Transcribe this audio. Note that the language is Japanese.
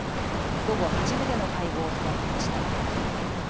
午後、初めての会合を開きました。